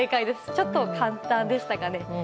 ちょっと簡単でしたかね。